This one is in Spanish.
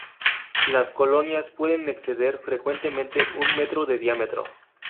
Las colonias pueden exceder frecuentemente un metro de diámetro.